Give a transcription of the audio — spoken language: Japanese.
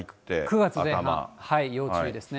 ９月前半、要注意ですね。